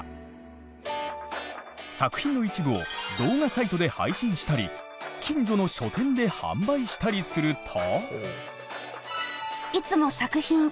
作品の一部を動画サイトで配信したり近所の書店で販売したりすると。